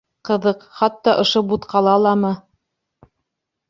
— Ҡыҙыҡ, хатта ошо бутҡала ламы?